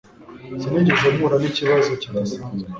Sinigeze mpura nikibazo kidasanzwe.